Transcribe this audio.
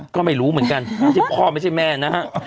ก็ไม่รู้เหมือนกันขอมันไม่ใช่แม่นะฮะอ๋อ